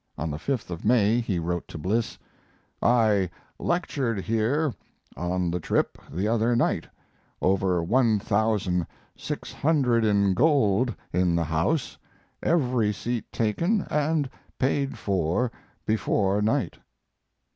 On the 5th of May he wrote to Bliss: I lectured here on the trip the other night; over $1,600 in gold in the house; every seat taken and paid for before night.